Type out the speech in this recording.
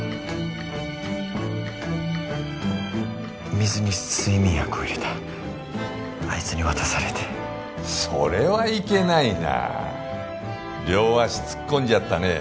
水に睡眠薬を入れたあいつに渡されてそれはいけないな両足突っ込んじゃったね